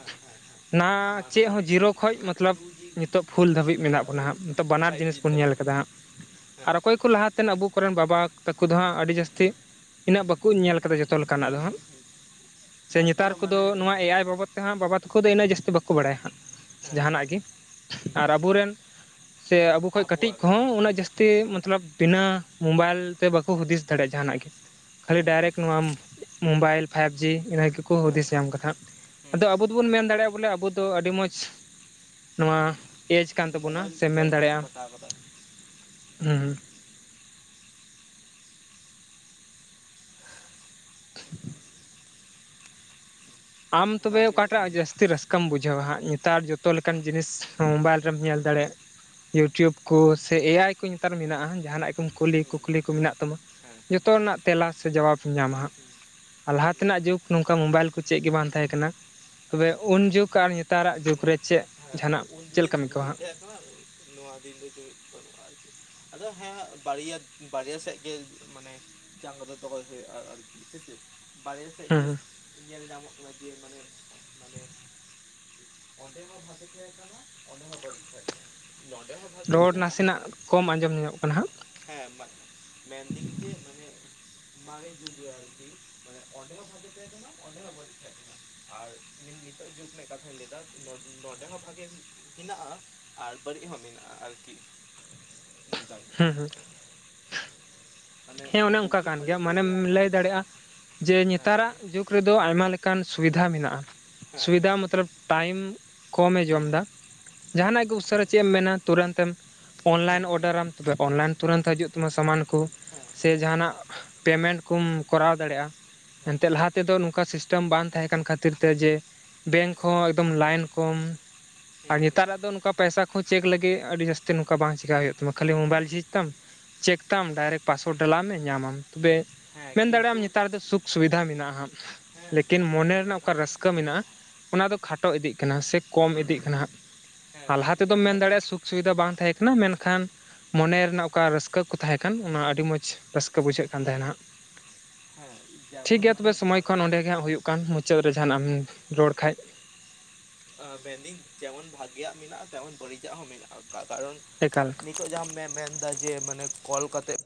ᱱᱟ ᱪᱮᱫ ᱦᱚᱸ ᱡᱤᱨᱳ ᱠᱷᱚᱡ ᱢᱚᱛᱞᱚᱵ ᱱᱤᱛᱚᱜ ᱯᱷᱩᱞ ᱫᱷᱟᱹᱵᱤᱡ ᱢᱮᱱᱟᱜ ᱵᱚᱱᱟ ᱦᱟᱸᱜ ᱱᱤᱛᱚᱜ ᱵᱟᱱᱟᱨ ᱡᱤᱱᱤᱥ ᱵᱚᱱ ᱧᱮᱞ ᱟᱠᱟᱫᱟ ᱦᱟᱸᱜ ᱾ ᱟᱨ ᱚᱠᱚᱭ ᱠᱚ ᱞᱟᱦᱟᱛᱮ ᱟᱵᱚ ᱠᱚᱨᱮᱱ ᱵᱟᱵᱟ ᱛᱟᱠᱚ ᱫᱚ ᱦᱟᱸᱜ ᱟᱹᱰᱤ ᱡᱟᱹᱥᱛᱤ ᱤᱱᱟᱹᱜ ᱵᱟᱠᱚ ᱧᱮᱞ ᱟᱠᱟᱫᱟ ᱡᱚᱛᱚ ᱞᱮᱠᱟᱱᱟᱜ ᱫᱚ ᱦᱟᱸᱜ ᱥᱮ ᱱᱮᱛᱟᱨ ᱠᱚᱫᱚ ᱱᱚᱣᱟ ᱮ ᱟᱭ ᱵᱟᱵᱚᱛ ᱛᱮᱦᱮᱧᱟᱸᱜ ᱵᱟᱵᱟ ᱛᱟᱠᱚ ᱫᱚ ᱤᱱᱟᱹᱜ ᱡᱟᱹᱥᱛᱤ ᱵᱟᱠᱚ ᱵᱟᱲᱟᱭᱟ ᱦᱟᱸᱜ ᱡᱟᱦᱟᱱᱟᱜ ᱜᱮ ᱟᱨ ᱟᱵᱚᱨᱮᱱ ᱥᱮ ᱟᱵᱚ ᱠᱷᱚᱱ ᱠᱟᱹᱴᱤᱡᱽ ᱠᱚᱦᱚᱸ ᱩᱱᱟᱹᱜ ᱡᱟᱹᱥᱛᱤ ᱛᱮ ᱢᱚᱛᱞᱚᱵ ᱵᱤᱱᱟᱹ ᱢᱳᱵᱟᱭᱤᱞ ᱛᱮ ᱵᱟᱠᱚ ᱦᱩᱫᱤᱥ ᱫᱟᱲᱮᱭᱟᱜᱼᱟ ᱡᱟᱦᱟᱱᱟᱜ ᱜᱮ ᱠᱷᱟᱹᱞᱤ ᱰᱟᱭᱨᱮᱠᱴ ᱱᱚᱣᱟ ᱢᱳᱵᱟᱭᱤᱞ ᱯᱷᱟᱭᱤᱵᱽᱡᱤ ᱤᱱᱟᱹ ᱜᱮᱠᱚ ᱦᱩᱫᱤᱥ ᱧᱟᱢ ᱠᱟᱫᱟ ᱦᱟᱸᱜ ᱟᱫᱚ ᱟᱵᱚ ᱫᱚᱵᱚᱱ ᱢᱮᱱ ᱫᱟᱲᱮᱭᱟᱜᱼᱟ ᱵᱚᱞᱮ ᱟᱵᱚ ᱫᱚ ᱟᱹᱰᱤ ᱢᱚᱸᱡᱽ ᱱᱚᱣᱟ ᱮᱡᱽ ᱠᱟᱱ ᱛᱟᱵᱚᱱᱟ ᱥᱮ ᱢᱮᱱ ᱫᱟᱲᱮᱭᱟᱜᱼᱟ ᱦᱩᱸ [inaudible] ᱟᱢ ᱛᱚᱵᱮ ᱚᱠᱟᱴᱟᱜ ᱡᱟᱥᱛᱤ ᱨᱟᱹᱥᱠᱟᱹ ᱪᱤᱠᱟᱢ ᱵᱩᱡᱷᱟᱹᱣᱟ ᱦᱟᱸᱜ ᱱᱮᱛᱟᱨ ᱡᱚᱛᱚ ᱞᱮᱠᱟᱱ ᱡᱤᱱᱤᱥ ᱢᱳᱵᱟᱭᱤᱞ ᱨᱮᱢ ᱧᱮᱞ ᱫᱟᱲᱮᱭᱟᱜᱼᱟ ᱤᱭᱩᱴᱩᱵᱽ ᱠᱚ ᱥᱮ ᱮᱭᱟᱭ ᱠᱚ ᱱᱮᱛᱟᱨ ᱢᱮᱱᱟᱜᱼᱟ ᱡᱟᱦᱟᱱᱟᱜ ᱠᱚ ᱠᱩᱞᱤ ᱠᱩᱠᱞᱤ ᱠᱚ ᱢᱮᱱᱟᱜ ᱛᱟᱢᱟ ᱡᱚᱛᱚ ᱨᱮᱱᱟᱜ ᱾ ᱛᱮᱞᱟ ᱥᱮ ᱡᱟᱵᱟᱸ ᱧᱟᱢᱟ ᱦᱟᱸᱜ ᱟᱨ ᱞᱟᱦᱟ ᱛᱮᱱᱟᱜ ᱡᱩᱜᱽ ᱱᱚᱝᱠᱟ ᱢᱳᱵᱟᱭᱤᱞ ᱠᱚ ᱪᱮᱫ ᱜᱮ ᱵᱟᱝ ᱛᱟᱦᱮᱸ ᱠᱟᱱᱟ ᱛᱚᱵᱮ ᱩᱱ ᱡᱩᱜ ᱟᱨ ᱱᱮ ᱱᱮᱛᱟᱨᱟᱜ ᱡᱩᱜᱽ ᱢᱟᱱᱮ ᱨᱮ ᱪᱮᱫ ᱡᱟᱦᱟᱸᱱᱟᱜ ᱪᱮᱫ ᱞᱮᱠᱟ ᱟᱹᱭᱠᱟᱹᱣᱟ ᱦᱟᱸᱜ? [unintelligible] ᱜᱮ ᱱᱚᱣᱟ ᱫᱤᱱ ᱫᱚ ᱵᱟᱹᱱᱩᱜᱼᱟ ᱟᱨᱠᱤ ᱟᱫᱚ ᱦᱮᱸ ᱵᱟᱨᱭᱟ ᱵᱟᱨᱭᱟ ᱥᱮᱫ ᱜᱮ ᱢᱟᱱᱮ ᱪᱟ [unintelligible] ᱠᱚᱫᱚ ᱦᱩᱭᱩᱜᱼᱟ ᱟᱨᱠᱤ ᱥᱮ ᱪᱮᱫ ᱵᱟᱨᱦᱮ ᱥᱮᱫ ᱦᱩᱸ ᱜᱮ ᱦᱩᱸ ᱧᱮᱞ ᱧᱟᱢᱚᱜ ᱠᱟᱱᱟ ᱡᱮ ᱢᱟᱱᱮ ᱢᱟᱱᱮ ᱚᱸᱰᱮ ᱦᱚᱸ ᱵᱷᱟᱜᱮ ᱛᱟᱦᱮᱸ ᱠᱟᱱᱟ ᱚᱸᱰᱮ ᱦᱚᱸ ᱵᱟᱲᱤᱡ ᱛᱟᱦᱮᱸ ᱠᱟᱱᱟ ᱱᱚᱰᱮ ᱦᱚᱸ ᱵᱷᱟᱜᱮ ᱨᱚᱲ ᱱᱟᱥᱮᱱᱟᱜ ᱠᱚᱢ ᱟᱸᱡᱚᱢ ᱧᱚᱜ ᱠᱟᱱᱟ ᱦᱟᱸᱜ ᱦᱮᱸ ᱢᱮᱱᱫᱤᱧ ᱡᱮ ᱢᱟᱱᱮ ᱵᱷᱟᱜᱮ ᱵᱩᱡᱷᱟᱜᱼᱟ ᱟᱨᱠᱤ ᱢᱟᱱᱮ ᱚᱸᱰᱮ ᱦᱚᱸ ᱵᱷᱟᱜᱮ ᱛᱟᱦᱮ ᱠᱟᱱᱟ ᱚᱸᱰᱮ ᱦᱚᱸ ᱵᱟᱲᱤᱡ ᱛᱟᱦᱮ ᱠᱟᱱᱟ ᱟᱨ ᱤᱧ ᱱᱤᱛᱚᱜ ᱡᱩᱜᱽ ᱨᱮᱱᱟᱜ ᱠᱟᱛᱷᱟᱧ ᱞᱟᱹᱭᱟ ᱱᱚᱰᱮ ᱦᱚᱸ ᱵᱷᱟᱜᱮ ᱦᱮᱱᱟᱜ ᱟᱨ ᱵᱟᱹᱲᱤᱡ ᱦᱚᱸ ᱢᱮᱱᱟᱜᱼᱟ ᱟᱨᱠᱤ ᱱᱚᱝᱠᱟᱜᱮ ᱦᱮᱸ ᱦᱩᱸ ᱵᱩᱜᱤ ᱦᱮᱸ ᱚᱱᱮ ᱚᱱᱠᱟ ᱠᱟᱱ ᱜᱮᱭᱟ ᱵᱟᱹᱲᱤᱡ ᱢᱟᱱᱮᱢ ᱛᱮᱜᱮ ᱟᱨ ᱞᱟᱹᱭ ᱟᱨᱠᱤ ᱫᱟᱲᱮᱭᱟᱜᱼᱟ ᱡᱮ ᱞᱟᱹᱭ ᱱᱮᱛᱟᱨᱟᱜ ᱢᱮ ᱡᱩᱜ ᱨᱮᱫᱚ ᱟᱭᱢᱟ ᱞᱮᱠᱟᱱ ᱥᱩᱵᱤᱫᱷᱟ ᱢᱮᱱᱟᱜᱼᱟ ᱥᱩᱵᱤᱫᱷᱟ ᱢᱚᱛᱞᱚᱵ ᱴᱟᱭᱤᱢ ᱠᱚᱢᱮ ᱡᱚᱢ ᱫᱟ ᱡᱟᱦᱟᱱᱟᱜ ᱜᱮ ᱩᱥᱟᱹᱨᱟ ᱪᱮᱫ ᱮᱢ ᱢᱮᱱᱟ ᱛᱩᱨᱟᱹᱱ ᱮᱢ ᱚᱱᱞᱟᱭᱤᱱ ᱚᱰᱟᱨᱟᱢ ᱛᱮ ᱚᱱᱞᱟᱭᱤᱱ ᱛᱩᱨᱟᱹᱱ ᱦᱤᱡᱩᱜ ᱛᱟᱢᱟ ᱥᱟᱢᱟᱱ ᱠᱚ ᱥᱮ ᱡᱟᱦᱟᱸᱱᱟᱜ ᱯᱮᱢᱮᱱᱴ ᱠᱚᱢ ᱠᱚᱨᱟᱣ ᱫᱟᱲᱮᱭᱟᱜᱼᱟ ᱮᱱᱛᱮ ᱞᱟᱦᱟ ᱛᱮᱫᱚ ᱱᱚᱝᱠᱟ ᱥᱤᱥᱴᱮᱢ ᱵᱟᱝ ᱛᱟᱦᱮᱸ ᱠᱟᱱ ᱠᱷᱟᱹᱛᱤᱨ ᱛᱮ ᱡᱮ ᱵᱮᱝᱠ ᱦᱚᱸ ᱮᱠᱫᱚᱢ ᱞᱟᱭᱤᱱ ᱠᱚᱢ ᱟᱨ ᱱᱮᱛᱟᱨᱟᱜ ᱫᱚ ᱱᱚᱝᱠᱟ ᱯᱟᱭᱥᱟ ᱠᱚ ᱪᱮᱠ ᱞᱟᱹᱜᱤᱫ ᱟᱹᱰᱤ ᱡᱟᱹᱥᱛᱤ ᱱᱚᱝᱠᱟ ᱵᱟᱝ ᱪᱮᱠᱟ ᱦᱩᱭᱩᱜ ᱛᱟᱢᱟ ᱠᱷᱟᱞᱤ ᱢᱳᱵᱟᱭᱤᱞ ᱡᱤᱡ ᱛᱟᱢ ᱪᱮᱠ ᱛᱟᱢ ᱰᱟᱭᱨᱮᱠ ᱯᱟᱥᱚᱣᱟᱰ ᱰᱟᱞᱟᱣ ᱢᱮ ᱧᱟᱢᱟᱢ ᱛᱚᱵᱮ ᱢᱮᱱ ᱫᱟᱲᱮᱭᱟᱜ ᱟᱢ ᱱᱮᱛᱟᱨ ᱫᱚ ᱥᱩᱠ ᱥᱩᱵᱤᱫᱷᱟ ᱢᱮᱱᱟᱜᱼᱟ ᱦᱟᱸ ᱞᱮᱠᱤᱱ ᱢᱚᱱᱮ ᱨᱮᱱᱟᱜ ᱚᱠᱟ ᱨᱟᱹᱥᱠᱟᱹ ᱢᱮᱱᱟᱜᱼᱟ ᱚᱱᱟ ᱫᱚ ᱠᱷᱟᱴᱚ ᱤᱫᱤᱜ ᱠᱟᱱᱟ ᱥᱮ ᱠᱚᱢ ᱤᱫᱤᱜ ᱠᱟᱱᱟ ᱦᱟᱸᱜ ᱟᱨ ᱞᱟᱦᱟ ᱛᱮᱫᱚᱢ ᱢᱮᱱ ᱫᱟᱲᱮᱭᱟᱜᱼᱟ ᱥᱩᱠ ᱥᱩᱵᱤᱫᱷᱟ ᱵᱟᱝ ᱛᱟᱦᱮᱸ ᱠᱟᱱᱟ ᱢᱮᱱᱠᱷᱟᱱ ᱢᱚᱱᱮ ᱨᱮᱱᱟᱜ ᱚᱠᱟ ᱨᱟᱹᱥᱠᱟᱹ ᱠᱚ ᱛᱟᱦᱮᱸ ᱠᱟᱱ ᱚᱱᱟ ᱟᱹᱰᱤ ᱟᱹᱰᱤ ᱢᱚᱸᱡᱽ ᱨᱟᱹᱥᱠᱟᱹ ᱵᱩᱡᱷᱟᱹᱜ ᱠᱟᱱ ᱛᱟᱦᱮᱸᱱᱟ ᱴᱷᱤᱠ ᱜᱮᱭᱟ ᱛᱚᱵᱮ ᱥᱚᱢᱚᱭ ᱠᱷᱚᱱ ᱚᱸᱰᱮ ᱜᱮ ᱦᱟᱸᱜ ᱦᱩᱭᱩᱜ ᱠᱟᱱ ᱢᱩᱪᱟᱹᱫ ᱨᱮ ᱡᱟᱦᱟᱱᱟᱜ ᱮᱢ ᱨᱚᱲ ᱠᱷᱟᱡᱽ ᱢᱮᱱᱫᱟᱹᱧ ᱡᱮᱢᱚᱱ ᱵᱷᱟᱜᱤᱭᱟᱜ ᱢᱮᱱᱟᱜᱼᱟ ᱛᱮᱢᱚᱱ ᱵᱟᱹᱲᱤᱡᱟᱜ ᱦᱚᱸ ᱢᱮᱱᱟᱜᱼᱟ ᱠᱟᱨᱚᱱ ᱮᱠᱟᱞ ᱱᱤᱛᱚᱜ ᱡᱟᱦᱟᱸᱟᱢ ᱢᱮᱱ ᱮᱫᱟ ᱡᱮ ᱢᱟᱱᱮ ᱠᱚᱞ ᱠᱟᱛᱮᱜ